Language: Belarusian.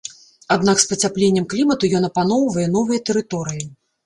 Аднак з пацяпленнем клімату ён апаноўвае новыя тэрыторыі.